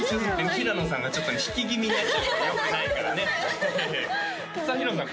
平野さんがちょっとね引き気味になっちゃってよくないからねさあ平野さん